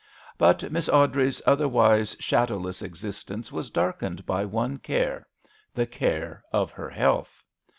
But Miss Awdrey's other wise shadowless existence was darkened by one care — the care of her health.